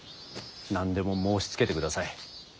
何でも申しつけてください。